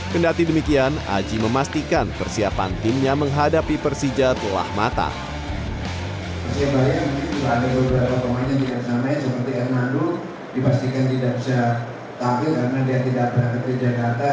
kendati demikian aji memastikan persiapan timnya menghadapi persija telah matang